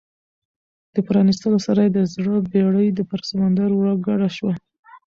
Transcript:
د پرانیستلو سره یې د زړه بېړۍ پر سمندر ورګډه شوه.